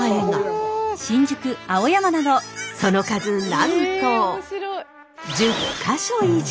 その数なんと１０か所以上！